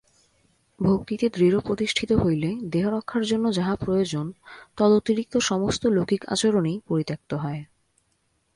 ভক্তিতে দৃঢ়প্রতিষ্ঠিত হইলে দেহরক্ষার জন্য যাহা প্রয়োজন, তদতিরিক্ত সমস্ত লৌকিক আচরণই পরিত্যক্ত হয়।